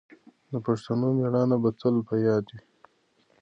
د پښتنو مېړانه به تل په یاد وي.